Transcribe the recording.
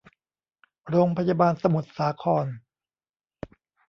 โรงพยาบาลสมุทรสาคร